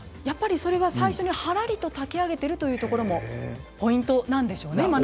やっぱりそれは最初にはらりと炊き上げてるというところもポイントなんでしょうね。